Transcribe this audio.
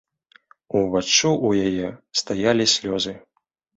Уваччу ў яе стаялі слёзы.